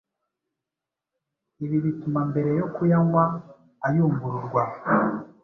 Ibi bituma mbere yo kuyanywa ayungururwa